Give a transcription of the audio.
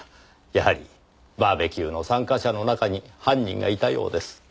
やはりバーベキューの参加者の中に犯人がいたようです。